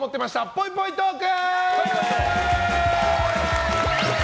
ぽいぽいトーク！